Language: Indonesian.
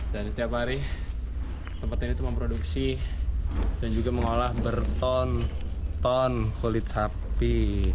dan setiap hari tempat ini memproduksi dan juga mengolah berton ton kulit sapi